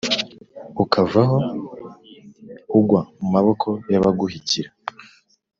ukavaho ugwa mu maboko y’abaguhigira.